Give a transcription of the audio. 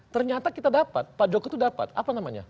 ternyata kita dapat pak jokowi itu dapat apa namanya